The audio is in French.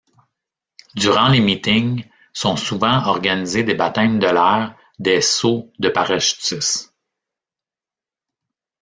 Durant les meetings, sont souvent organisés des baptêmes de l'air, des sauts de parachutistes.